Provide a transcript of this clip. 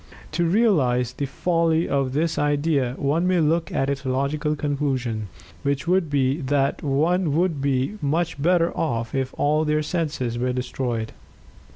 To realize the folly of this idea, one may look at its logical conclusion, which would be that one would then be much better off if all their senses were destroyed.